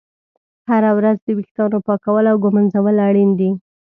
هره ورځ د ویښتانو پاکول او ږمنځول اړین دي.